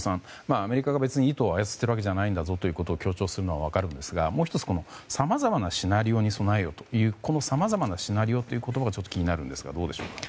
アメリカが意図を操っているわけじゃないんだぞと強調するのは分かりますがもう１つ、さまざまなシナリオに備えよというこのさまざまなシナリオという言葉が気になるんですがどうでしょうか？